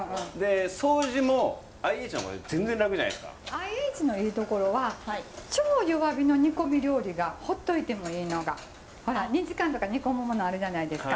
ＩＨのいいところは超弱火の煮込み料理がほっといてもいいのがほら２時間とか煮込むものあるじゃないですか。